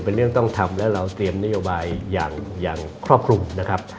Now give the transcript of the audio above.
เป็นเรื่องต้องทำและเราเตรียมนโยบายอย่างครอบคลุมนะครับ